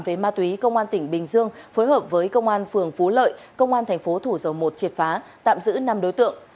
với ma túy công an tỉnh bình dương phối hợp với công an phường phú lợi công an tp thủ dầu một triệt phá tạm giữ năm đối tượng